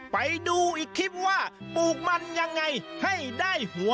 ไปดูอีกคลิปว่าปลูกมันยังไงให้ได้หัว